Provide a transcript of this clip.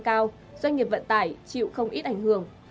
doanh nghiệp vận tải chịu không ít ảnh hưởng